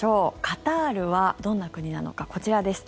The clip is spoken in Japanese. カタールはどんな国なのかこちらです。